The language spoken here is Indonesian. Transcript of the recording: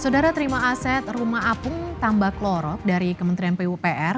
saudara terima aset rumah apung tambak lorok dari kementerian pupr